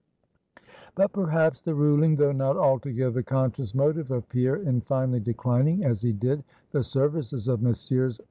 But perhaps the ruling, though not altogether conscious motive of Pierre in finally declining as he did the services of Messrs.